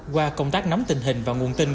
qua công tác nắm tình hình và nguồn tin